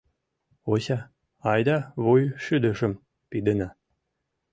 — Ося, айда вуйшӱдышым пидына.